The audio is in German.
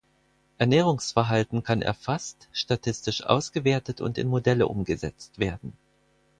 Ernährungsverhalten kann erfasst, statistisch ausgewertet und in Modelle umgesetzt werden.